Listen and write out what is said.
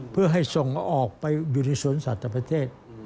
เพื่อให้ส่งออกไปอยู่ในสวนสัตว์ประเทศ